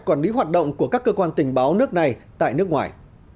quản lý hoạt động của các cơ quan tình báo nước này tại nước ngoài